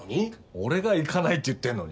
俺が行かないって言ってるのに？